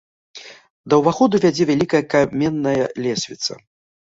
Да ўваходу вядзе вялікая каменная лесвіца.